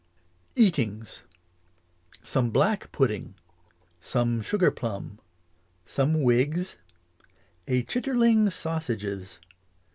Eatings. Some black pudding Some sugar plum Some wigs A chitterling sausages.